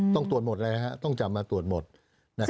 ต้องตรวจหมดเลยนะครับต้องจำมาตรวจหมดนะครับ